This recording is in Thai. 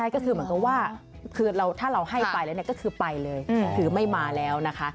ก็คือเหมือนกับว่าคือถ้าเราให้ไปแล้วก็คือไปเลยคือไม่มาแล้วนะคะ